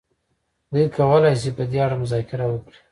دوی کولای شي په دې اړه مذاکره وکړي.